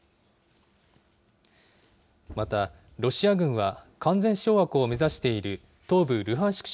またロシア軍は、完全掌握を目指している東部ルハンシク